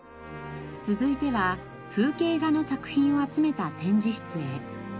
続いては風景画の作品を集めた展示室へ。